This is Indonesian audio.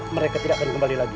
mereka tidak akan kembali lagi